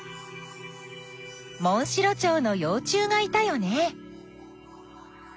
モンシロチョウのよう虫がいたよね。